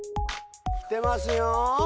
来てますよ。